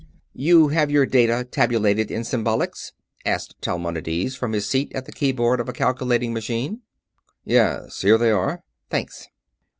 "You have your data tabulated in symbolics?" asked Talmonides, from his seat at the keyboard of a calculating machine. "Yes. Here they are." "Thanks."